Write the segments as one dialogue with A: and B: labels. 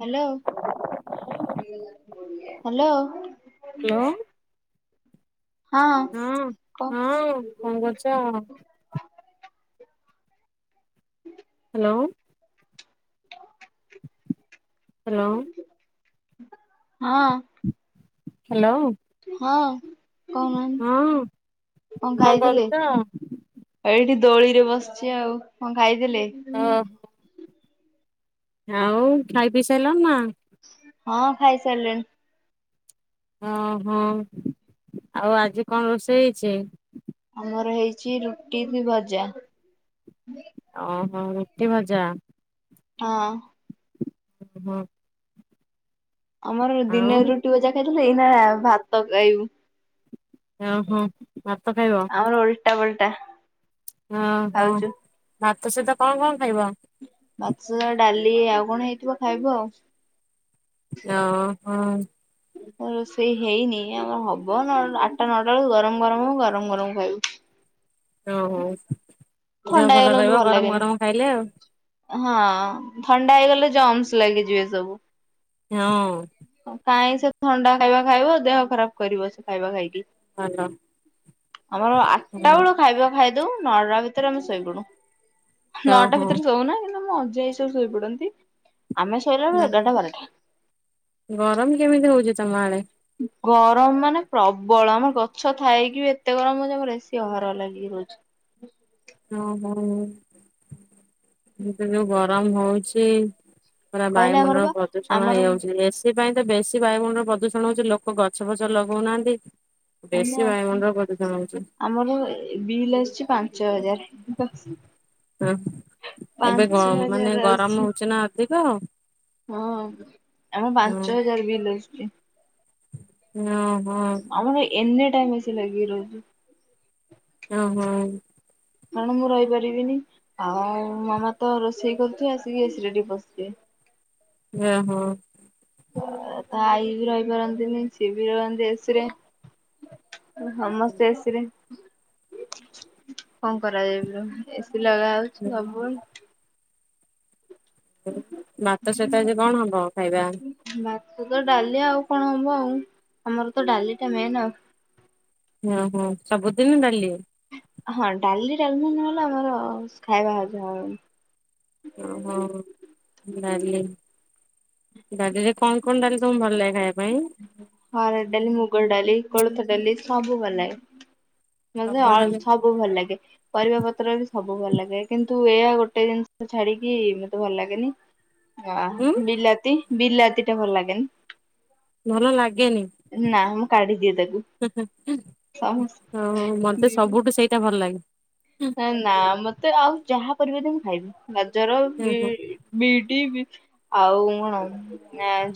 A: Hello hello.
B: Hello
A: ହଁ କ।
B: ହଁ [unintelligible] ହ୍ୟାଲୋ। ହ୍ୟାଲୋ।
A: ହଁ।
B: ହ୍ୟାଲୋ।
A: ହଁ କହୁ
B: ହଁ
A: ନାହାନ୍ତି କଣ ଖାଇଥିଲେ? ଏଇଠି ଦୋଳି ରେ ବସିଚି ଆଉ କଣ ଖାଇଥିଲେ?
B: ଅ ହ। ଆଉ ଖାଇ ପି ସାଇଲନି ନା?
A: ହଁ ଖାଇ ସାରିଲେଣି।
B: ଅ ହଁ ଆଉ ଆଜି କଣ ରୋଷେଇ ହେଇଛି?
A: ଆମର ହେଇଛି ରୁଟି କୁ ଭଜା।
B: ଓହୋ ରୁଟି ଭଜା
A: ହଁ।
B: ଓ ହଁ।
A: ଆମର ଦିନରେ ରୁଟି ବଜା ଖାଇଥିଲୁ। ଏଇନା ଭାତ କାଇବୁ।
B: ଓହୋ ଭାତ ଖାଇବ?
A: ଆମର ଓଲଟା ପଲଟା।
B: ଓହୋ
A: ଖାଉଛୁ
B: ଭାତ ସହିତ କଣ କଣ ଖାଇବ?
A: ମାଛ, ଡାଲି ଆଉ କଣ ହେଇଥିବ ଖାଇବୁ ଆଉ।
B: ଅ ହଁ।
A: ରୋଷେଇ ହେଇନି। ଆମର ହବ ନଅ ଆଠଟା ନଅଟା ବେଳୁ ଗରମ ଗରମ ହବ ଗରମ ଗରମ ଖାଇବୁ।
B: ଓ ହୋ ଦେହ
A: ଥଣ୍ଡା
B: ଭଲ
A: ହେଇଗଲେ ମତେ
B: ରହିବ ଗରମ
A: ଲାଗେନି
B: ଗରମ ଖାଇଲେ ଆଉ।
A: ହଁ। ଥଣ୍ଡା ହେଇଗଲେ ଜମ୍ସ ଲାଗିଯିବେ ସବୁ।
B: ହଁ।
A: କାଇଁ ସେ ଥଣ୍ଡା ଖାଇବା ଖାଇବ ଦେହ ଖରାପ୍ କରିବ ସେ ଖାଇବା ଖାଇକି।
B: ଭଲ।
A: ଆମର ଆଠଟା
B: ହଁ
A: ବେଳ ଖାଇବା ଖାଇଦଉ। ନଅଟା ଭିତରେ ଆମେ ଶୋଇପଡୁ। ନଅଟା
B: ଓହୋ
A: ଭିତରେ ଶଉନା। କିନ୍ତୁ ମୋ ଅଜା ଆଇ ସବୁ ଶୋଇପଡନ୍ତି। ଆମେ ଶୋଇଲା
B: ନା
A: ବେଳେ
B: ହ
A: ଏଗାରଟା ବାରଟା।
B: ଗରମ କେମିତି ହଉଛି ତମ ଆଡେ?
A: ଗରମ ମାନେ ପ୍ରବଳ। ଆମର ଗଛ ଥାଇକି ବି ଏତେ ଗରମ ହଉଛି, ଆମର ଏସି ଅହରହ ଲାଗିକି ରହୁଛି।
B: ଓ ହୋ। ଏବେ ଯୋଉ ଗରମ ହଉଛି ପୁରା
A: କହିଲେ ଆମର ବା
B: ବାୟୁମଣ୍ଡଳ ପ୍ରଦୂଷଣ
A: ଆମର
B: ହେଇଯାଉଛି। ଏସି ସେଥିପାଇଁ ତ ବେଶୀ ବାୟୁମଣ୍ଡଳ ପ୍ରଦୂଷଣ ହଉଛି। ଲୋକ ଗଛ ଫଛ ଲଗଉନାହାନ୍ତି। ବେଶୀ ବାୟୁମଣ୍ଡଳ ପ୍ରଦଷଣ ହଉଛି।
A: ଆମର ଏ-ବିଲ୍ ଆସିଛି ପାଞ୍ଚ ହଜାରେ।
B: ଓ ଏବେ ଗ
A: ହଜାର
B: ମାନେ
A: ଆସିଛି।
B: ଗରମ ହଉଛି ନା ଅଧିକ
A: ହଁ। ଆମର ପାଞ୍ଚ ହଜାରେ ବିଲ୍ ଆସୁଛି।
B: ହଁ।
A: ଆମର ଏନି ଟାଇମ୍ ଏସି ଲାଗିକି ରହୁଛି।
B: ଓ ହୋ।
A: କାରଣ ମୁଁ ରହି ପାରିବିନି। ଆଉ ମାମା ତ ରୋଷେଇ କରୁଥିବେ, ଆସିକି ଏସିରେ ଟିକେ ପସିଯିବେ।
B: ଓ ହୋ।
A: ଅ ତା ଆଈ ବି ରହିପାରନ୍ତିନି। ସିଏ ବି ରହନ୍ତି ଏସିରେ। ସମସ୍ତେ ଏସିରେ କଣ କରାଯାଇପାରିବ। ଏସି ଲଗାହଉଛି ସବୁବେଳେ।
B: ଭାତ ସହିତ ଆଜି କଣ ହବ ଖାଇବା?
A: ଭାତ ସହିତ ଡାଲି ଆଉ କଣ ହବ ଆଉ। ଆମର ତ ଡାଲିଟା ମେନ୍ ଆଉ।
B: ଓ ହୋ। ସବୁଦିନ ଡାଲି।
A: ହଁ ଡାଲି ଡାଲମ ନହେଲେ ଆମର ଖାଇବା ହଜମ ହବନି।
B: ଓହୋ ଡାଲି। ଡାଲିରେ କଣ କଣ ଡାଲି ତମେ ଭଲ ଲାଗେ ଖାଇବା ପାଇଁ?
A: ହାରଡ ଡଲି ମୁଗ ଡଲି କୋଳଥ ଡ଼ାଲି ସାବୁ ଭଲ ଲାଗେ। ମୋତେ
B: ସବୁବେଳେ ଡାଲି
A: ଅସବୁ ଭଲ ଲାଗେ। ପରିବା ପତ୍ର ବି ସବୁ ଭଲ ଲାଗେ କିନ୍ତୁ ଏଇୟା ଗୋଟେ ଜିନିଷ ଛାଡିକି ମତେ ଭଲ ଲାଗେନି। ଅ
B: ଉଁ
A: ବିିଲାତି ବିିଲାତିଟା ଭଲ ଲାଗେନ।
B: ଭଲ ଲାଗେନି?
A: ନା ମୁଁ କାଢିଦିଅ ତାକୁ।
B: ହୁଁ ହୁଁ ହୁଁ।
A: ସମସ୍ତ
B: ଓ ହୋ ମତେ
A: ଦିଦି
B: ସବୁଠୁ ସେଇଟା ଭଲ ଲାଗେ।
A: ନା ମତେ ଆଉ ଯାହା କରିବ ମୁଁ ଖାଇବି ଗାଜର
B: ଓହୋ
A: ବିଡି ବି ଆଉ କଣ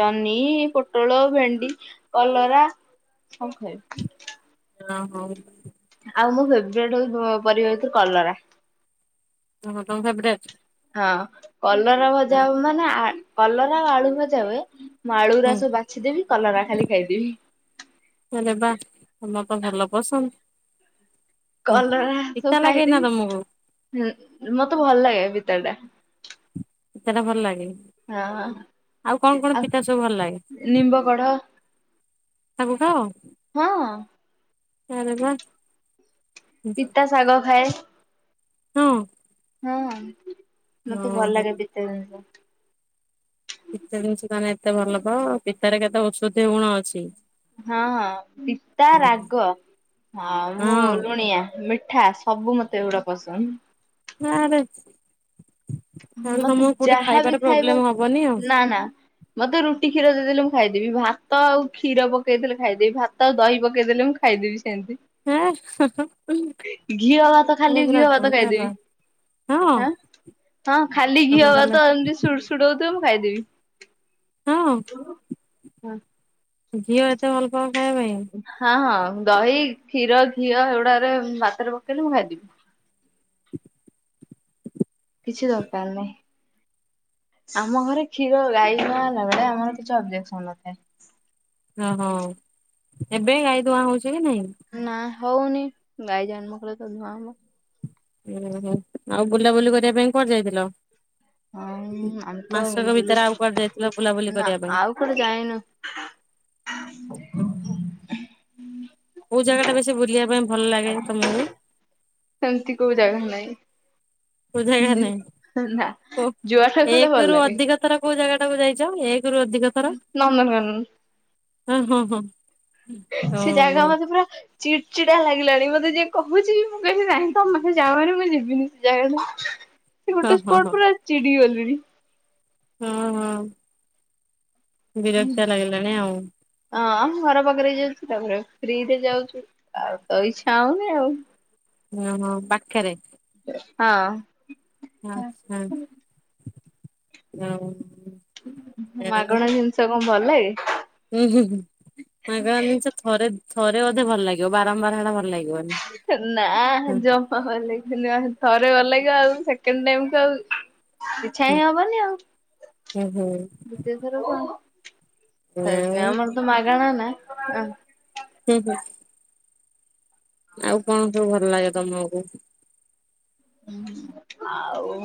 A: ଜହ୍ନି ପୋଟଳ ଭେଣ୍ଡି କଲରା ସବୁ ଖାଇବେ।
B: ହଁ ହଉ।
A: ଆଉ ମୋ ଫେବରଟ ପରିବା କଲରା।
B: ହଁ ତମ ଫେବରେଟ।
A: ହଁ କଲରା ଭଜା ହ ମାନେ କଲରା ଆଉ ଆଳୁ ଭଜା ହୁଏ
B: ହୁଁ
A: ମାଳୁରୁର ସବୁ ବାଛିଦେବି କଲରା ଖାଲି ଖାଇଦେବି।
B: ହେଲେ ବା ତମ ତ ଭଲ ପସନ୍ଦ। ହୁଁ
A: କଲରା ସବୁ
B: ପିତଲଗେ
A: ଖାଇଦେବି।
B: ତମକୁ?
A: ହୁଁ ମତେ ଭଲ ଲାଗେ ପିତା ଟା।
B: ପିତାଟା ଭଲ ଲାଗେ
A: ହଁ
B: ଆଉ କଣ କଣ ପିତା ସବୁ ଭଲ ଲାଗେ?
A: ନିମ୍ବ କଢ
B: ତାକୁ ଖାଅ?
A: ହଁ
B: ଆରେ ବା
A: ପିତା ଶାଗ ଖାଏ।
B: ହଁ।
A: ହଁ ମତେ ଭଲ
B: ଓହୋ।
A: ଲାଗେ ପିତା ଜିନିଷ।
B: ପତା ଜିନିଷ ତମେ ଏତେ ଭଲ ପାଅ ପିତାରେ କେତେ ଔଷଧ ଗୁଣ ଅଛି।
A: ହଁ ହଁ ପିତା ରାଗ ଆ ମୁଁ
B: ହଁ
A: ଲୁଣିଆ ମିଠାସ। ସବୁ ମତେ ଏଗୁଡା ପସନ୍ଦ।
B: ଆଁରେ ଆ
A: ମତେ
B: ତମ କୋଉଠି
A: ଯାହାବି
B: ଖାଇବାର
A: ଖାଇବା
B: ପ୍ରୋବ୍ଲେମ ହବନି ଆଉ।
A: ନା ନା। ମତେ ରୁଟି୍ଷୀର ଦେଇଦେଲେ ମୁଁ ଖାଇଦେବି ଭାତ ଆଉ କ୍ଷୀର ପକେଇ ଦେଲେ ଖାଇଦେବି ଭାତ ଆଉ ଦହି ପକେଇ ଦେେଲେ ମୁ ଖାଇଦେବି ସେମିତି।
B: ହେଁ
A: ଘିଅ ଭାତ
B: ତମେ
A: ଖାଲି
B: ପୁରା
A: ଘିଅ ଭାତ
B: ବଢିଆ ଲୋ
A: ଖାଇଦେବି
B: ହଁ
A: ଆଁ ହଁ ଖାଲି ଘିଅ
B: ତମେ
A: ବା
B: ତାହେଲେ
A: ତ ଏମିତି ସୁଡ଼ ସୁଡ଼ ହଉଥିବ ମୁଁ ଖାଇଦେବି।
B: ହଁ। ଘଝିଅ ଏତେ ଭଲ ପା ଖାଇବା ପାଇଁ?
A: ହଁ ହଁ ଦହି କ୍ଷୀର ଘିଅ ଏଗୁଡାରେ ଭାତରେ ପକେଇଲେ ମୁଁ ଖାଇଦେବି। କିଛି ଦରକାର ନାହିଁ। ଆମ ଘରେ କ୍ଷୀର ଗାଈ ଗ ହେଲା ବେଳେ ଆମର କିଛି ଅବଜେକ୍ସନ ନଥାଏ।
B: ଓହୋ ଏବେ ଗାଈ ଧୁଆଁ ହଉଛି କି ନାଇଁ।
A: ନା ହଉନି ଗାଈ ଜନ୍ମ କଲେ ତ ଧୂଆଁ ହବ।
B: ଓହୋ ଆଉ ବୁଲାବୁଲି କରିବା ପାଇଁ କୁଆଡ଼େ ଯାଇଥିଲ?
A: ହଁ ଆମେ ତ
B: ମାସକ
A: ଭଲ
B: ଭିତରେ ଆଉ କୁଆଡେ
A: ବୁ
B: ଯାଇଥିଲ ବୁଲାବୁଲି
A: ନା
B: କରିବା ପାଇଁ?
A: ଆଉ କୁଆଡେ ଯାଇନୁ। ହ ହ
B: କୋଉ ଜାଗା ଟା ବେଶୀ ବୁଲିବା ପାଇଁ ଭଲ ଲାଗେ ତମକୁ?
A: ସେମିତି କୋଉ ଜାଗା ନାହିଁ।
B: କୋଉ ଜାଗା ନାହିଁ?
A: ନା
B: ଓ
A: ଜୁଆଟା କ
B: ଏକ
A: ଭଲ
B: ରୁ
A: ଲାଗେ।
B: ଅଧିକ ଥର କୋଉ ଜାଗା ଟାକୁ ଯାଇଛ ଏକ ଅଧିକ ଥର
A: ନନ୍ଦନ କାନନ
B: ହଁ ହଁ।
A: ସେ
B: ଓହୋ
A: ଜାଗା ମତେ ପୁରା ଚିଡ ଚିଡା ଲାଗିଲାଣି ମତେ ଯିଏ କହୁଛି ମୁଁ କହିବି କିବ ନାହିଁ ତମ ମାନେ ଯାଅହାରି ମୁଁ ଯିବିନି ସେ ଜାଗାକୁ। ସେ
B: ହଁ
A: ଗୋଟେ
B: ହଁ
A: ସ୍ପଟ
B: ହଁ
A: ପୁରା ଚିଡି ଗଲିଣି
B: ହଁ ହଁ ବିରକ୍ତିଆ ଲାଗିଲାଣି ଆଉ
A: ହଁ ଆ ମୁଁ ଘର ପାଖରେ ଯାଉଛି ତାପରେ ଫ୍ରି ରେ ଯାଉଛୁ ଆଉ ତ ଇଛା ହଉନି ଆଉ
B: ଓ ହୋ ପାଖରେ
A: ହଁ।
B: ହଁ-ହଁ-ହଁ।
A: ମାଗଣା ଜିନିଷ କଣ ଭଲ ଲାଗେ?
B: ହୁଁ-ହୁଁ-ହୁଁ ମାଗଣା ଜିନିଷ ଥରେ-ଥରେ ବୋଧେ ଭଲ ଲାଗିବ ବାରମ୍ବାର ହେଳା ଭଲ ଲାଗିବନି,
A: ହେ ନା
B: ହୁଁ
A: ଜମା ଭଲ ଲାଗିବନି ଥରେ ଭଲ ଲାଗିବ ସେକେଣ୍ଡ ଟାଇମକୁ ଆଉ ଇଛା ହିଁ
B: ହୁଁ
A: ହବନି ଆଉ
B: ହୁଁ
A: ଦୁତିୟ ଥରକ ଆଉ,
B: ହୁଁ
A: ସେଥି ପାଇଁ
B: ଆଉ
A: ଆମର ତ ମାଗଣା ନା,
B: ହୁଁ-ହୁଁ, ଆଉ କଣ ସବୁ ଭଲ ଲାଗେ ତମକୁ?
A: ହୁଁ ଆଉ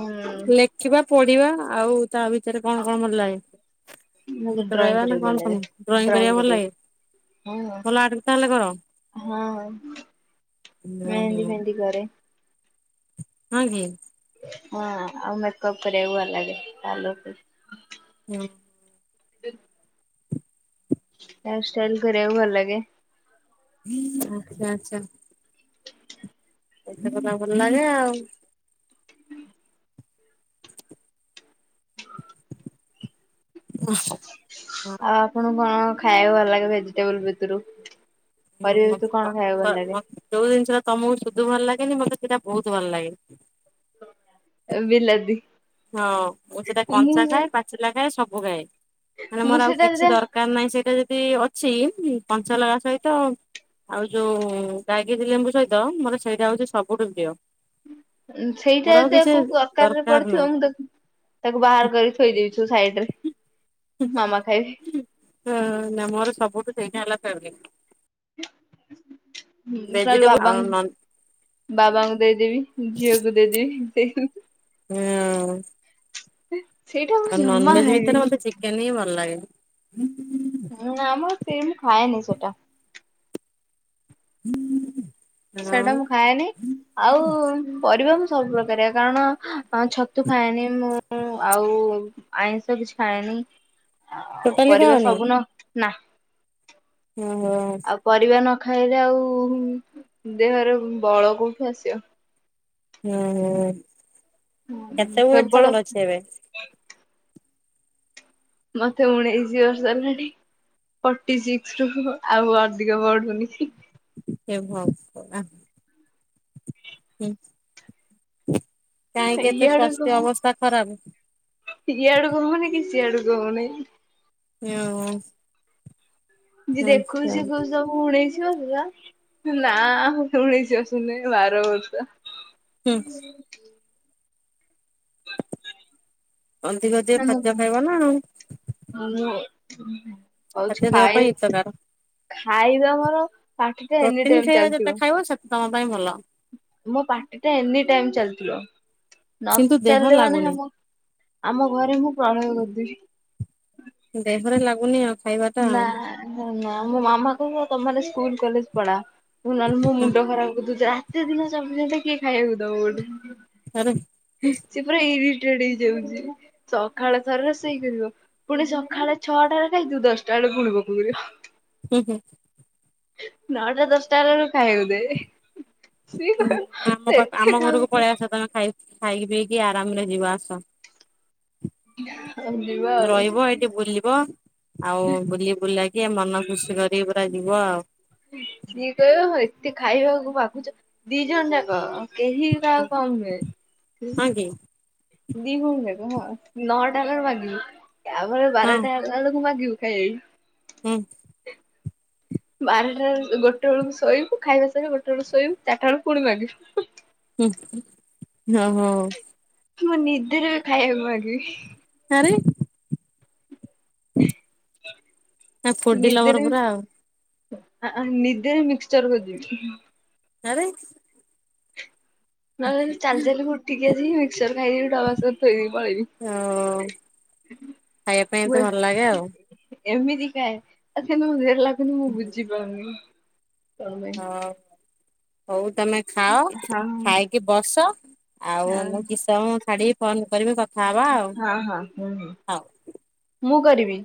B: ଲେଖିବା ପଢ଼ିବା ଆଉ ତା ଭିତରେ କଣ-କଣ ଭଲ ଲାଗେ?
A: ମୁଗେ
B: ଗୀତ
A: ଡ୍ରଇଂ
B: ଗାଇବା ନା
A: କରିବାକୁ
B: କଣ
A: ଭଲ ଲାଗେ
B: ତମକୁ
A: ଡ୍ରଇଂ
B: କରିବା ଭଲ ଲାଗେ
A: କରିବାକୁ, ହୁଁ ନା
B: ଭଲ ଆର୍ଟ ତାହେଲେ କର?
A: ହଁ, ମେହେଦି
B: ଓହୋ
A: ଫେହେଦି କରେ,
B: ହଁ କି?
A: ହଁ ଆଉ ମେକଅପ କରିବାକୁ ଭଲ ଲାଗେ ତାଲୁକୁ
B: ହୁଁ।
A: ହେୟାର ଷ୍ଟାଇଲ୍ କରିବାକୁ ଭଲ ଲାଗେ।
B: ହୁଁ ଆଛା ଆଚ୍ଛା ଏତେ କଥା ଭଲ ଲାଗେ ଆଉ, [unintelligible]
A: ଆଉ ଆପଣଙ୍କୁ କଣ ଖାଇବାକୁ ଭଲ ଲାଗେ ଭେଜିଟେବଲ ଭିତରୁ? ପରିବା ଭିତୁରୁ କଣ ଖାଇବାକୁ ଭଲ ଲାଗେ?
B: ଯୋଉ ଜିନିଷ ଟା ତମକୁ ସୁଧୁ ଭଲ ଲାଗେନି ମତେ ସେଇଟା ବହୁତ ଭଲ ଲାଗେ।
A: ବିଲାତି
B: ହଁ ମୁଁ ସେଟା
A: ମୁଁ
B: କଞ୍ଚା
A: ସେ
B: ଖାଏ ପା ଚିଲା ଖାଏ ସବୁ ଖାଏ ହେଲା
A: ମୁଁ
B: ମୋର ଆଉ
A: ସେଇଟା ଯଦି
B: କିଛି ଦରକାର ନାହିଁ ସେଇଟା ଯଦି ଅଟ୍ ଛି ହୁଁ କଞ୍ଚାଲଙ୍କା ସହିତ ତ ଆଉ ଯୋଉ ବାଗିରି ଲେମ୍ବୁ ସହିତ ମୋର ସେଇଟା ହେଉଛି ସବୁଠୁ ପ୍ରିୟ
A: ଉଁ
B: ମୋର
A: ସେଇଟା ଯଦି ଆଉ
B: କିଛି
A: କୋଉ ତରକାରୀରେ
B: ଦରକାର
A: ପଡିଥିବ
B: ନାହିଁ।
A: ମୁଁ ତାକୁ ତାକୁ ବାହାର କରି ଥୋଇ ଦଉଛୁ ସାଇଡ ରେ ମାମା ଖାଇ ବେ
B: ହଁ ନା ମୋର ସବୁଠୁ ସେଇଟା ହେଲା ଫେବରାଇଟ।
A: ହଁ ତାହେଲେ
B: ଭେଜିଟେବୁଲ ଆଉ ନନ୍
A: ବାବାଙ୍କ ବାବାଙ୍କୁ ଦେଇଦେବି ଝିଅକୁ ଦେଇଦେବି ଦେଇ
B: ହୁଁ।
A: ସେଇଟା ମୁଁ
B: ଆଉ
A: ଜମା
B: ନନଭେଜ୍ ଭିତରେ
A: ଖାଇବିନି
B: ମତେ ଚିକେନ ହିଁ ଭଲ ଲାଗେ।
A: ହୁଁ ନାମ ସେ ମୁ ଖାଏନି ସେଟା
B: ଆଉ
A: ସେଇଟା ମୁଁ ଖାଏନି ଆଉ ପରିବା ମୁଁ ସବୁ ପ୍ରକାରିଆ କାରଣ ହଁ ଛତୁ ଖାଏନି ମୁଁ ଆଉ ଆଇଁଷ କିଛି ଖାଏନି ଆଉ
B: ଟୋଟାଲି
A: ପରିବା
B: ଖାଅନି
A: ସବୁନ ନା
B: ହୁଁ
A: ଆଉ ପରିବା ନ ଖାଇଲେ ଆଉ ଦେହରେ ବଳ କୋଉଠି ଆସିବ?
B: ଉଁ -ଉଁ-ଉଁ କେତେ ଓ୍ବଟ୍
A: କେବଳ
B: ତମର ଅଛି ଏବେ?
A: ମତେ ଉଣେଇସି ବର୍ଷ ହେଲାଣି। ଫଟି ସିକ୍ସି ରୁ ଆଉ ଅଧିକ ବଢ଼ୁନି।
B: ଏ ଭଗ [unintelligible] ହୁଁ କାହିଁକି ଏତେ ସ୍ୱାସ୍ଥ୍ୟ ଅବସ୍ଥା ଖରାପ?
A: ଇଆଡ଼କୁ ହଉନି କି ସିଆଡ଼କୁ ହଉନି
B: ଇଆ ହୁଁ।
A: ଯିଏ
B: ହୁଁ
A: ଦେଖୁଛି ଶିଏ
B: ହୁଁ
A: କହୁଛି ତମକୁ ଉଣେସି ବର୍ଷ? ନା ଉଣିଶି ବର୍ଷ ନୁହେଁ ବାର ବର୍ଷ
B: ହୁଁ।
A: ହୁଁ
B: ଅଧିକ ଅଧିକ ଖାଦ୍ୟ ଖାଇବ ନା ଆଉ।
A: ଅନୁ ହଉଚି
B: ଖାଦ୍ୟ ଦେହ ପାଇଁ
A: ଖାଇ
B: ହିତକାର
A: ଖାଇବା ମୋର ପାଟି ଟା ଏନି
B: ପ୍ରୋଟିନ୍
A: ଟାଇମ
B: ଖାଇବା
A: ଚାଲିଥିବ।
B: ଯେତେ ଖାଇବ ସେତେ ତମ ପାଇଁ ଭଲ।
A: ମୋ ପାର୍ଟି ଟା ଏନି ଟାଇମ ଚାଲିଥିଲ ନ
B: କିନ୍ତୁ ଦେହ
A: ଚାଲିଲ ମାନେ
B: ଲାଗୁନି
A: ଆମ ଘରେ ମୁଁ ପ୍ରଳୟ କରିଦେବି।
B: ଦେହରେ ଲାଗୁନି ଆଉ। ଖାଇବାଟା
A: ନା
B: ଆଉ
A: ନା ମୋ ମାମା କ ତମେ ସ୍କୁଲ କଲେଜ ପଳା। ପୁ ନହେଲେ ମୋ
B: ହୁଁ
A: ମୁଣ୍ଡ ଖରାପ କରି ଦଉଛୁ। ରାତି ଦିନ ଚବିଶି ଘଣ୍ଟା କିଏ ଖାଇବାକୁ ଦବ ଗୋଟେ।
B: ଆରେ ହୁଁ।
A: ସେ ପୁରା ଇରିଟେଡ ହେଇଯାଉଛି ସକାଳ ଥର ରୋଷେଇ କରିବ ପୁଣି ସଖାଳେ ଛଅଟାରେ ଖଇଥିବୁ ଦଶଟା ବେଳେ ପୁଣି ଭୋକ କରିବ।
B: ହୁଁ ହୁଁ।
A: ନଅଟା ଦଶଟା ହେଲାବେଳକୁ ଖାଇବାକୁ ଦେବେ।
B: ହୁଁ ଆମ ପାଖ ଆମ ଘରକୁ
A: ଖାଉଛୁ
B: ପଳେଇ ଆସ ତମେ ଖାଇ ଖାଇକି ପିଇକି ଆରାମରେ ଯିବ ଆସ
A: ଆଉ ଯିବା ଆଉ
B: ରହିବ ଏଇଠି ବୁଲି ବ ଆଉ ବୁଲି ବୁଲାକି ମନ ଖୁସି କରିକି ପୁରା ଯିବ ଆଉ।
A: ସିଏ କହିବ ଏତେ ଖାଇବାକୁ ମାଗୁଛ ଦି ଜଣ ଯାକ। କେହି କହାକୁ କମ୍ ନୁହେଁ।
B: ହଁ କି
A: ଦି ଭଉଣୀ ଯାଙ୍କ ହଁ ନଅଟା ହେଲା ବେଳକୁ ମାଗିବି ତା ପରେ
B: ହଁ
A: ବାରଟା ଗଲା ବେଳକୁ ମାଗିବୁ ଖାଈଆ
B: ହୁଁ।
A: ବାରଟା ଗୋଟେ ବେଳକୁ ଶୋଇବୁ ଖାଇବା ସଙ୍ଗେ ଗୋଟେ ବେଳକୁ ଶୋଇବୁ ଚାରିଟା ବେଳେ ପୁଣି ମାଗିବୁ।
B: ହୁଁ ହଁ ହଁ ହୋ।
A: ମୁଁ ନିଦରେ ବି ଖାଇବାକୁ ମାଗିବି।
B: ଆରେ ଫୁଡି
A: ନିଦରେ
B: ଲଭର ପୁରା ଆଉ
A: ଆ ଆ ନିଦରେ ମିକ୍ସିଚର ଖୋଜିବି।
B: ଆରେ
A: ନହେଲେ ଚାଲି ଚାଲି ହୁ ଉଠିକି ଆସି ମିକ୍ସଚର ଖାଇବି ଡବା ସହ
B: ଓ
A: ଥୋଇଦେଇକିପଳେଇବି।
B: ଖାଇବା ପାଇଁ ଏତେ ଭଲ ଲାଗେ ଆଉ।
A: ଏମିତି ଖାଏ କିନ୍ତୁ ମୋ ଦେହରେ ଲାଗୁନି ମୁଁ ବୁଝିପାରୁନି। କଣ ପାଇଁ।
B: ହଁ ହଉ ତମେ ଖାଅ
A: ହଁ।
B: ଖାଇକି ବସ ଆଉ
A: ହଁ
B: ମୁଁ କିସ ଛାଡିକି ଫୋନ କରିବି କ
A: ହଁ ହଁ ହୁଁ ହୁଁ ମୁଁ କରିବି।